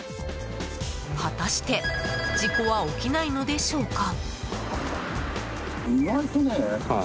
果たして事故は起きないのでしょうか？